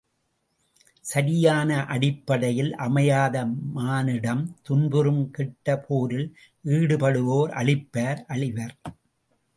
சரியான அடிப்படையில் அமையாத மானுடம் துன்புறும் கெட்ட போரில் ஈடுபடுவோர் அழிப்பர் அழிவர்.